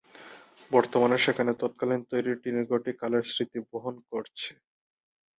বর্তমানে সেখানে তৎকালীন তৈরি টিনের ঘরটি কালের স্মৃতি বহন করছে।